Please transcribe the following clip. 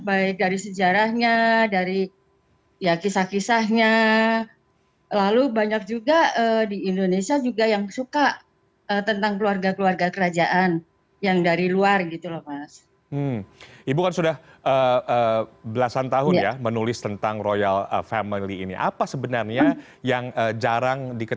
apa sih sebenarnya yang menarik menulis tentang royal family of england ini